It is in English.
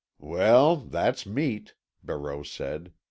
"Well, that's meat," Barreau said.